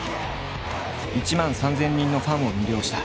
１万３，０００人のファンを魅了した。